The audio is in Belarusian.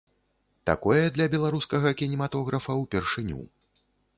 Такое для беларускага кінематографа ўпершыню.